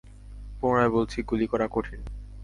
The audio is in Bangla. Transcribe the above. পুনরায় বলছি, গুলি করা কঠিন।